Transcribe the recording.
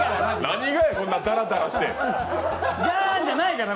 何がや、こんなダラダラして。